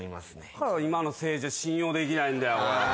だから今の政治は信用できないんだよ。